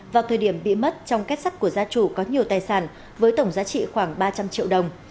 vào thời điểm bị mất trong kết sắt của gia chủ có nhiều tài sản với tổng giá trị khoảng ba trăm linh triệu đồng